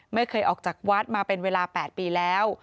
ไม่เคยออกจากวัดมาเป็นเวลา๘ปีแล้ว